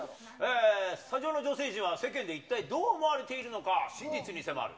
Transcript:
スタジオの女性陣は、世間で一体どう思われているのか、真実に迫る。